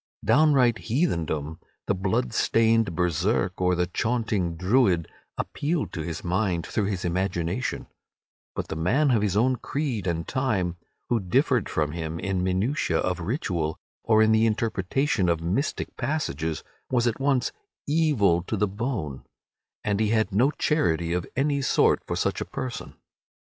Downright heathendom, the blood stained Berserk or the chaunting Druid, appealed to his mind through his imagination, but the man of his own creed and time who differed from him in minutiae of ritual, or in the interpretation of mystic passages, was at once evil to the bone, and he had no charity of any sort for such a person.